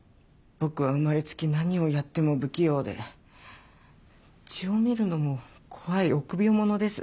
僕は生まれつき何をやっても不器用で血を見るのも怖い臆病者です。